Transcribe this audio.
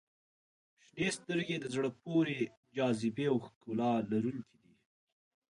• شنې سترګې د زړه پورې جاذبې او ښکلا لرونکي دي.